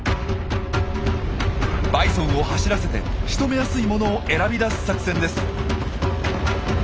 バイソンを走らせてしとめやすいものを選び出す作戦です。